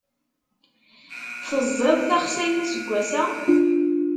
Teẓẓiḍ taxsayt aseggas-a?